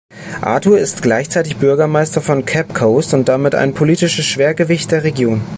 Arthur ist gleichzeitig Bürgermeister von Cape Coast und damit ein politisches Schwergewicht der Region.